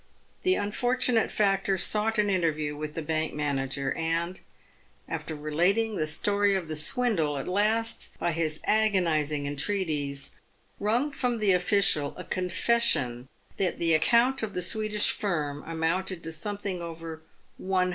the unfortunate factor sought an interview with the bank manager, and, after relating the story of the swindle, at last, by his agonising entreaties, wrung from the official a confession that the account of the Swedish firm amounted to something over 1001.